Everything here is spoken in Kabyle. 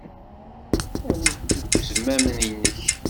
Aru-t deg uzmam-nnek.